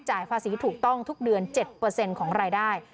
จ่ายภาษีถูกต้องทุกเดือนเจ็ดเปอร์เซ็นต์ของรายได้